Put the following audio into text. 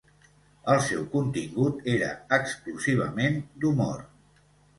El seu contingut era exclusivament d’humor.